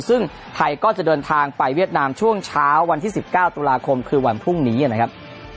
ซึ่งไทยก็จะเดินทางไปเวียดนามช่วงเช้าวันที่๑๙ตุลาคมคือวันพรุ่งนี้นะครับ